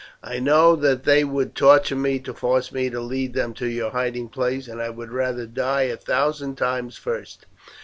I know that they would torture me to force me to lead them to your hiding place, and I would rather die a thousand times first.